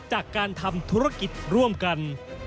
จากการทำธุรกิจร่วมกัน